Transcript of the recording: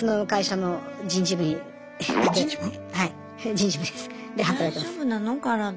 はい人事部です。